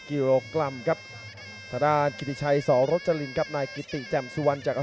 ๓คู่ที่ผ่านมานั้นการันตีถึงความสนุกดูดเดือดที่แฟนมวยนั้นสัมผัสได้ครับ